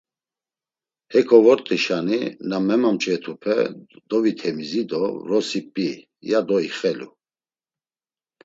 Heko vort̆işani na memamç̌vetupe dovitemizi do vrosi p̌i, yado ixelu.